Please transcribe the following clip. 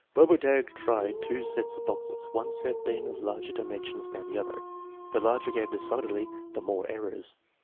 Bobertag tried two sets of boxes, one set being of larger dimensions than the other. The larger gave decidedly the more errors.